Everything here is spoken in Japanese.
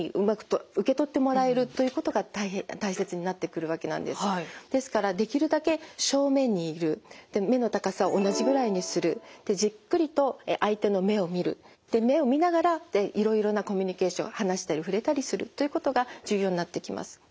ここで重要なことはですからそのために自分のですからできるだけ正面にいるで目の高さを同じぐらいにするでじっくりと相手の目を見るで目を見ながらいろいろなコミュニケーション話したり触れたりするということが重要になってきます。